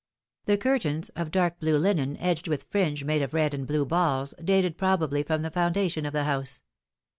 The curtains, of dark blue linen edged with fringe made of red and blue balls, dated probably from the foundation of the house.